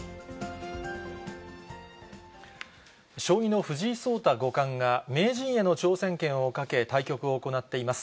将棋の藤井聡太五冠が名人への挑戦権をかけ、対局を行っています。